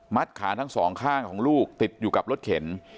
ขาทั้งสองข้างของลูกติดอยู่กับรถเข็น